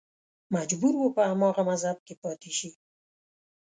مجبور و په هماغه مذهب کې پاتې شي